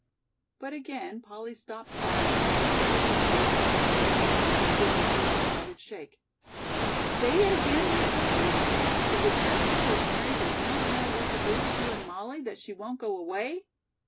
But again Polly stopped talking because Betty had seized her by both shoulders, giving her a decided shake. "Say it again to me quickly. Is it just because Mary does not know what to do with you and Mollie that she won't go away?"